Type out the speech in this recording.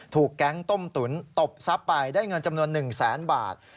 ถูกแก๊งต้มตุ๋นตบซับไปได้เงินจำนวน๑๐๐๐๐๐บาท